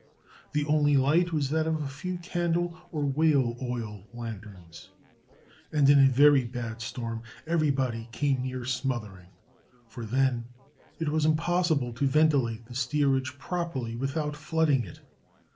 The only light was that of a few candle or whale oil lanterns, and in a very bad storm everybody came near smothering, for then it was impossible to ventilate the steerage properly without flooding it.